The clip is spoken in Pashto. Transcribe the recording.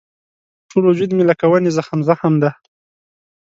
ټول وجود مې لکه ونې زخم زخم دی.